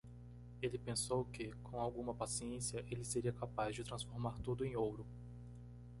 Ele pensou que? com alguma paciência? ele seria capaz de transformar tudo em ouro.